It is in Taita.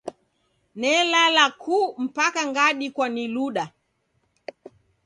Nelala ku mpaka ngadikwa ni luda.